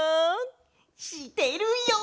してるよ！